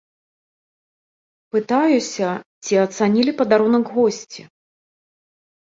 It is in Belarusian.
Пытаюся, ці ацанілі падарунак госці.